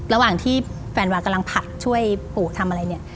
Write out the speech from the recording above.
ระหว่างที่แฟนวากำลังผัดช่วยปู่ทำอะไรเนี่ย